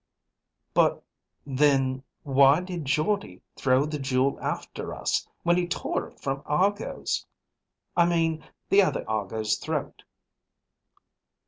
"But then why did Jordde throw the jewel after us when he tore it from Argo's I mean the other Argo's throat?"